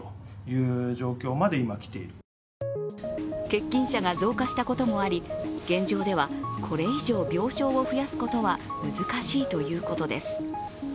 欠勤者が増加したこともあり現状ではこれ以上病床を増やすことは難しいということです。